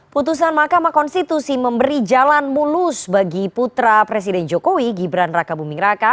putusan mahkamah konstitusi memberi jalan mulus bagi putra presiden jokowi gibran raka buming raka